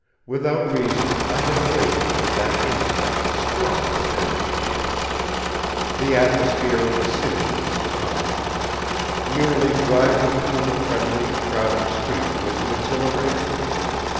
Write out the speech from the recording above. Without reason, I had awakened with that instinct strong within me. The atmosphere of the city was tonic. Merely driving through the friendly, crowded streets was an exhilaration.